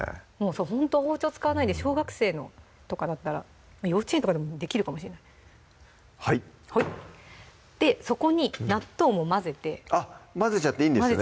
ほんと包丁使わないんで小学生とかだったら幼稚園でもできるかもしれないはいでそこに納豆も混ぜてあっ混ぜちゃっていいんですね